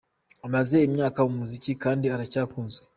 Amaze imyaka mu muziki kandi aracyakunzwe.